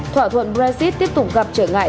thỏa thuận brexit tiếp tục gặp trở ngại